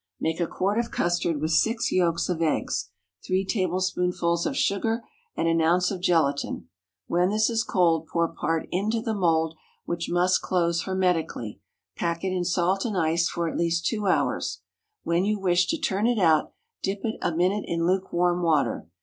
Make a quart of custard with six yolks of eggs, three tablespoonfuls of sugar, and an ounce of gelatine; when this is cold pour part into the mould, which must close hermetically; pack it in salt and ice for at least two hours; when you wish to turn it out, dip it a minute in lukewarm water.